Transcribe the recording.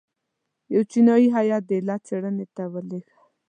یو چینایي هیات د علت څېړنې ته ولېږه.